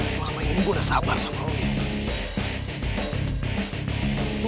selama ini gue udah sabar sama orangnya